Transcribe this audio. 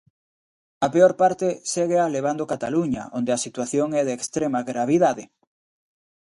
A peor parte séguea levando Cataluña onde a situación é de extrema gravidade.